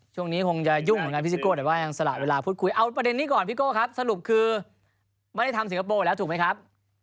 ช่วงนี้คงจะยุ่งเหมือนกันพี่ซิโก้แต่ว่ายังสละเวลาพูดคุยเอาประเด็นนี้ก่อนพี่โก้ครับสรุปคือไม่ได้ทำสิงคโปร์แล้วถูกไหมครับ